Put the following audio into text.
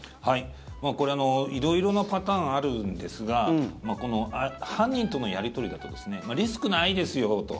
これ、色々なパターンあるんですがこの犯人とのやり取りだとですねリスクないですよと。